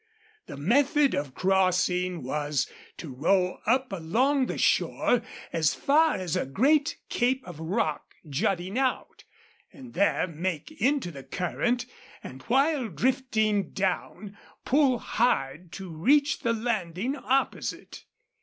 The method of crossing was to row up along the shore as far as a great cape of rock jutting out, and there make into the current, and while drifting down pull hard to reach the landing opposite.